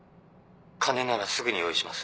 金ならすぐに用意します。